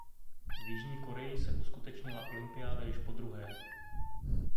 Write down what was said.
V Jižní Koreji se uskutečnila olympiáda již podruhé.